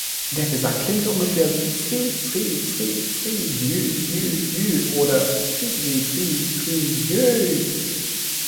Der Gesang klingt ungefähr wie „zri-zri-zri-zri-djü-djü-djü“ oder „ridri-dri-dri-jööj“.